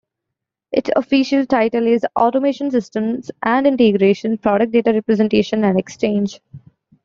Its official title is: "Automation systems and integration - Product data representation and exchange".